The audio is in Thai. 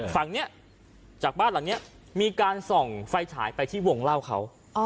ฝั่งนี้จากบ้านหลังนี้มีการส่องไฟฉายไปที่วงเล่าเขา